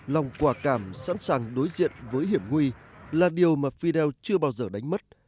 lòng quả cảm sẵn sàng đối diện với hiểm nguy là điều mà fidel chưa bao giờ đánh mất